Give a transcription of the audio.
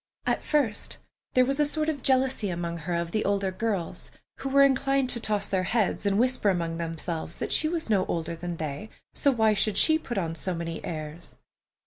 At first there was a sort of jealousy of her among the older girls, who were inclined to toss their heads, and whisper among themselves that she was no older than they, so why should she put on so many airs?